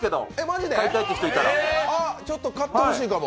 じゃあちょっと買ってほしいかも。